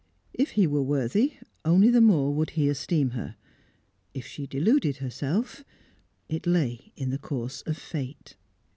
If he were worthy, only the more would he esteem her. If she deluded herself it lay in the course of Fate.